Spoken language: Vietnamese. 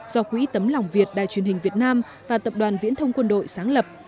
do quỹ tấm lòng việt đài truyền hình việt nam và tập đoàn viễn thông quân đội sáng lập